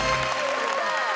やった！